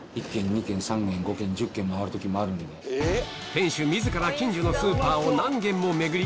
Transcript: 店主自ら近所のスーパーを何軒も巡り